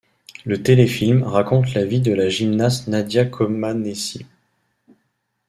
Le téléfilm raconte la vie de la gymnaste Nadia Comăneci.